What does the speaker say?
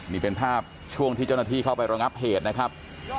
นี่เป็นภาพช่วงที่เจ้าหน้าที่เข้าไประงับเหตุนะครับ